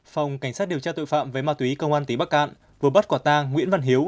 phòng cảnh sát điều tra tội phạm về ma túy công an tỉnh bắc cạn vừa bắt quả tang nguyễn văn hiếu